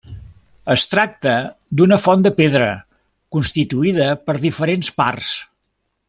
Es tracta d'una font de pedra, constituïda per diferents parts.